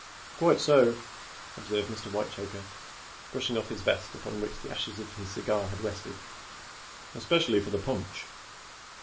"Quite so," observed Mr. Whitechoker, brushing off his vest, upon which the ashes of his cigar had rested. "Especially for the punch."